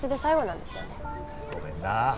ごめんな。